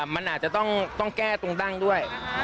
มันอาจจะต้องแก้ตรงดั้งด้วย